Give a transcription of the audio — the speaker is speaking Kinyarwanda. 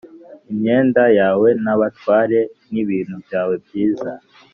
imyenda yawe nabatware n ibintu byawe byiza